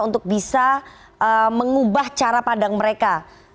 untuk bisa mengubah cara padang mereka